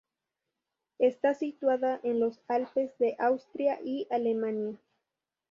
Está situada en las Alpes de Austria y Alemania.